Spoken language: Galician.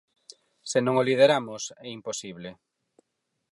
Se non o lideramos, é imposible.